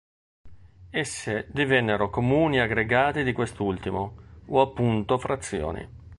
Esse divennero comuni aggregati di quest'ultimo, o appunto frazioni.